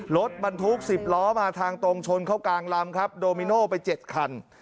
รถบรรทุก๑๐ล้อมาทางตรงชนเข้ากลางลำครับโดมิโน่ไป๗คัน